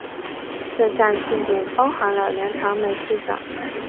这项庆典包含了两场美术展。